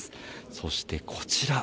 そしてこちら。